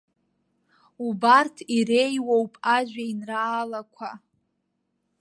Убарҭ иреиуоуп ажәеинраалақәа.